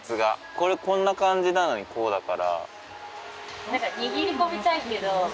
これこんな感じなのにこうだから。